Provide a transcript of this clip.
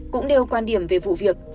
cũng đều quan điểm về vụ việc